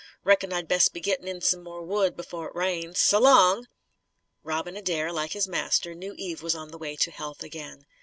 Reckon I'd best be gittin' in some more wood, b'fore it rains. So long!" Robin Adair, like his master, knew Eve was on the way to health again.